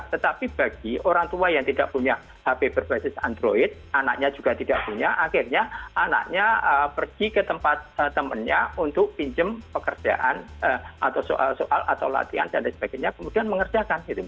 tetapi bagi orang tua yang tidak punya hp berbasis android anaknya juga tidak punya akhirnya anaknya pergi ke tempat temannya untuk pinjem pekerjaan atau soal soal atau latihan dan lain sebagainya kemudian mengerjakan